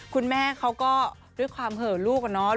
คุณแม่เขาก็ด้วยความเหอะลูกอะเนาะ